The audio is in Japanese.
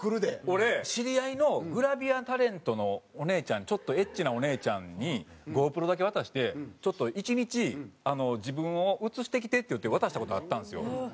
俺知り合いのグラビアタレントのお姉ちゃんちょっとエッチなお姉ちゃんにＧｏＰｒｏだけ渡して「１日自分を映してきて」って言って渡した事あったんですよ。